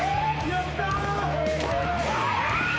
やったー！